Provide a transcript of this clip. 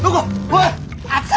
おい！